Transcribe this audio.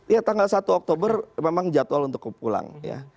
ya tanggal satu oktober memang jadwal untuk pulang ya